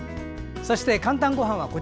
そして「かんたんごはん」